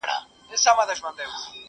چي په کلي کي غوايي سره په جنګ سي!.